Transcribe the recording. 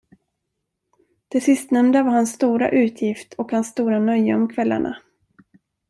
Det sistnämnda var hans stora utgift och hans stora nöje om kvällarna.